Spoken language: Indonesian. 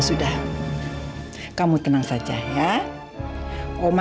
sudah kamu tenang saja ya